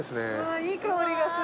いい香りがする。